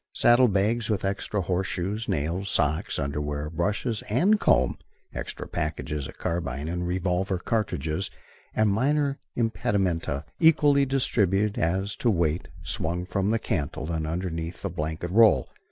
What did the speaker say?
Saddle bags, with extra horse shoes, nails, socks, underwear, brushes and comb, extra packages of carbine and revolver cartridges and minor impedimenta, equally distributed as to weight, swung from the cantle and underneath the blanket roll.